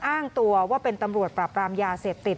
อ้างตัวว่าเป็นตำรวจปราบรามยาเสพติด